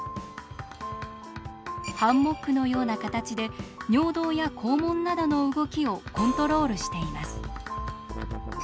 ハンモックのような形で尿道や肛門などの動きをコントロールしています。